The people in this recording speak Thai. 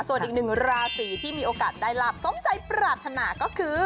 ส่วนอีกหนึ่งราศีที่มีโอกาสได้ลาบสมใจปรารถนาก็คือ